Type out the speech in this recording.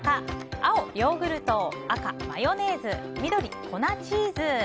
青、ヨーグルト赤、マヨネーズ緑、粉チーズ。